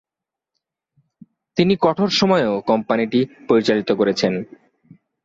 তিনি কঠোর সময়েও কোম্পানিটি পরিচালিত করেছেন।